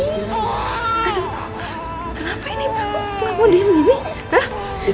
ini mama disini